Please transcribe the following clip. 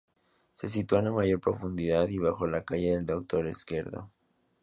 Se sitúan a mayor profundidad y bajo la calle del Doctor Esquerdo.